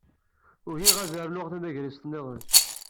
Ugaɣ ad rnuɣ tamagrist niḍen.